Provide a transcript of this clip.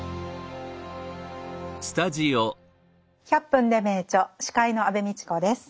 「１００分ｄｅ名著」司会の安部みちこです。